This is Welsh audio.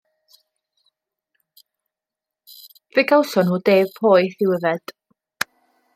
Fe gawson nhw de poeth i'w yfed.